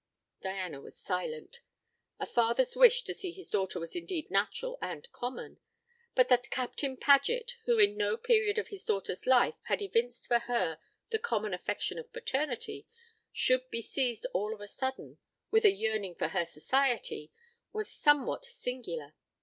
Diana was silent. A father's wish to see his daughter was indeed natural and common; but that Captain Paget, who in no period of his daughter's life had evinced for her the common affection of paternity, should be seized all of a sudden with a yearning for her society, was somewhat singular.